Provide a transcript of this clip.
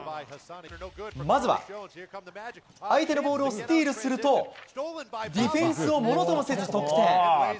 まずは、相手のボールをスチールするとディフェンスをものともせず得点。